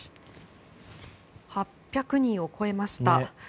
８００人を超えました。